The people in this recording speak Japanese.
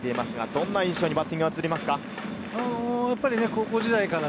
どんな印象にバッティングは映りますか？